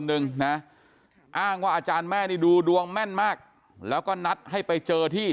นึงนะอ้างว่าอาจารย์แม่นี่ดูดวงแม่นมากแล้วก็นัดให้ไปเจอที่